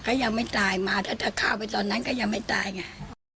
ก็ยังไม่ตายมาถ้าจะฆ่าไปตอนนั้นก็ยังไม่ตายไง